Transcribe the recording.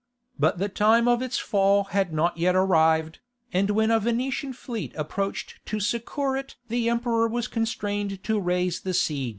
But the time of its fall was not yet arrived, and when a Venetian fleet approached to succour it the Emperor was constrained to raise the siege.